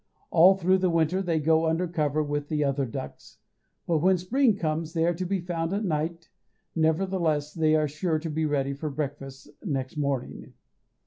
All through the winter they go under cover with the other ducks, but when spring comes they are not to be found at night; nevertheless they are sure to be ready for breakfast next morning."